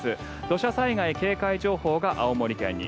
土砂災害警戒情報が青森県に。